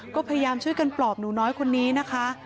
ก็พยายามช่วยกันปลอบหนูน้อยคนนี้นะคะ